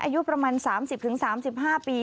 อายุประมาณ๓๐๓๕ปี